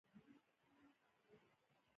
سوداګري او اقتصاد چټک پرمختګ کوي.